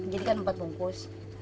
jadi kan empat bungkus